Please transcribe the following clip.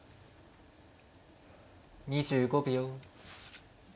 ２５秒。